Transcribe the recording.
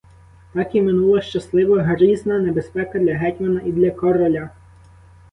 Так і минула щасливо грізна небезпека для гетьмана і для короля.